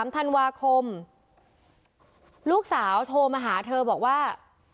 ๓ธันวาคมลูกสาวโทรมาหาเธอบอกว่า